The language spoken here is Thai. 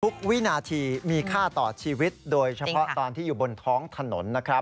วินาทีมีค่าต่อชีวิตโดยเฉพาะตอนที่อยู่บนท้องถนนนะครับ